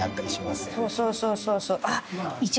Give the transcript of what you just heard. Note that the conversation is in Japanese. そうそうそうそうそう。